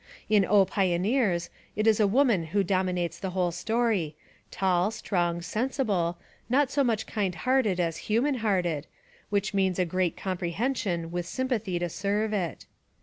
In O Pioneers! it is a woman who dominates the whole story, tall, strong, sensible, not so much kind hearted as human hearted, which means a great com prehension with sympathy to serve it.